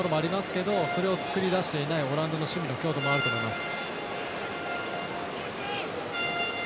けどそれを作り出していないオランダの守備の強度もあると思います。